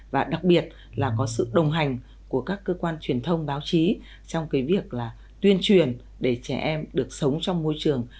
và đặc biệt là có sự đồng hành của các cơ quan truyền thông báo chí trong cái việc là tuyên truyền để trẻ em được sống trong môi trường